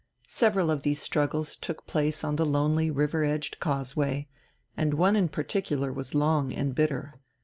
Several of these struggles took place on the lonely river edged causeway, and one in particular was long and bitter.